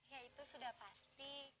ya itu sudah pasti